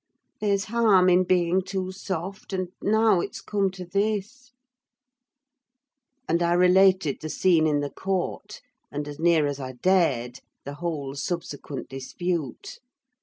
There's harm in being too soft, and now it's come to this—." And I related the scene in the court, and, as near as I dared, the whole subsequent dispute.